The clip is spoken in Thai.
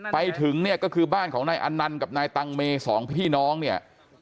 ไปถึงเนี่ยก็คือบ้านของนายอนันต์กับนายตังเมสองพี่น้องเนี่ย